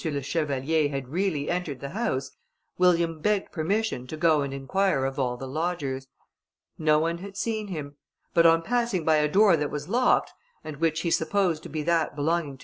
le Chevalier had really entered the house, William begged permission to go and inquire of all the lodgers. No one had seen him; but on passing by a door that was locked, and which he supposed to be that belonging to M.